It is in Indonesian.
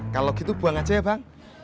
kalau gitu buang aja ya bang